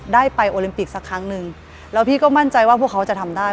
ได้ไปโอลิมปิกสักครั้งหนึ่งแล้วพี่ก็มั่นใจว่าพวกเขาจะทำได้